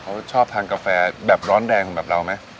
เขาชอบทานกาแฟแบบร้อนแดงของแบบเราไหม